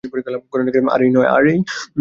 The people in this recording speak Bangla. আর এই, নয়।